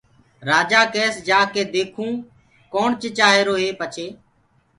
رآجآ ڪيس جاڪي ديکونٚ ڪوڻ چِچآهيٚروئي پڇي